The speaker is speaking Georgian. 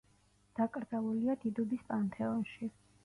დაკრძალულია დიდუბის პანთეონში.